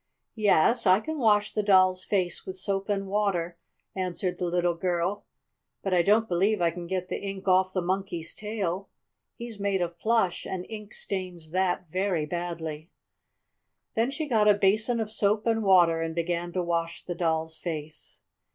"Yes, I can wash the Doll's face with soap and water," answered the little girl. "But I don't believe I can get the ink off the Monkey's tail. He's made of plush, and ink stains that very badly." Then she got a basin of soap and water and began to wash the Doll's face.